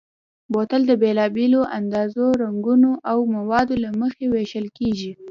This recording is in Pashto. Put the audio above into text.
بوتل د بېلابېلو اندازو، رنګونو او موادو له مخې وېشل کېږي.